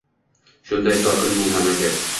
Shunday sokin bu mamlakat